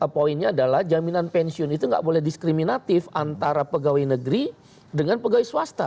poinnya adalah jaminan pensiun itu nggak boleh diskriminatif antara pegawai negeri dengan pegawai swasta